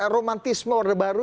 romantisme warna baru